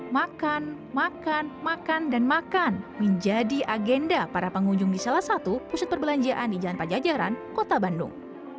makan makan dan makan menjadi agenda para pengunjung di salah satu pusat perbelanjaan di jalan pajajaran kota bandung